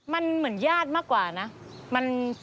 มันเหมือนญาติมากกว่านะ